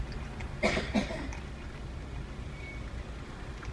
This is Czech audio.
Takto se nosí i dnes.